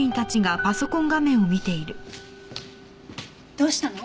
どうしたの？